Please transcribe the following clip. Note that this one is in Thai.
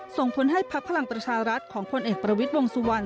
ส่งผลให้ผลักภารกรรมประชารัฐของผลเอกประวิศร์วงสุวรรณ